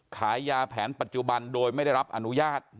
ขายยาแผนปัจจุบันโดยไม่ได้รับอนุญาต